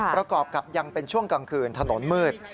ประกอบกับยังเป็นช่วงกลางคืนถนนมืด